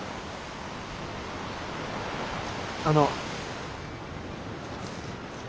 あの。